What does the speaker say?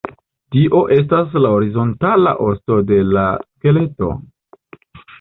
Tio estos la horizontala "osto" de la skeleto.